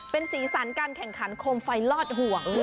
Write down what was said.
เป็นสีสันการแข่งขันโคมไฟลอดห่วง